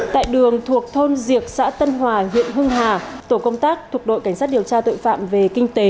tại đường thuộc thôn diệc xã tân hòa huyện hưng hà tổ công tác thuộc đội cảnh sát điều tra tội phạm về kinh tế